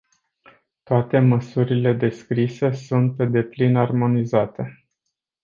Toate măsurile descrise sunt pe deplin armonizate.